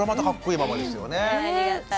ありがたい。